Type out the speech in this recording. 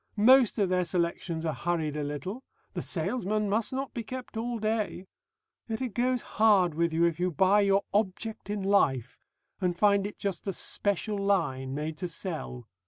Most of their selections are hurried a little. The salesman must not be kept all day.... Yet it goes hard with you if you buy your Object in Life and find it just a 'special line' made to sell....